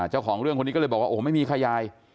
เจ้าของเรื่องคนนี้ก็เลยบอกว่าโอ้โหไม่มีใครยาย